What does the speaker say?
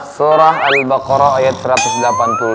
surah al baqarah ayat satu ratus delapan puluh